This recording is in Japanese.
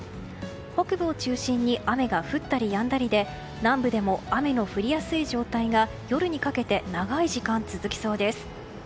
北部を中心に雨が降ったりやんだりで南部でも雨の降りやすい状態が夜にかけて長い時間続きそうです。